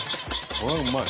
これはうまい！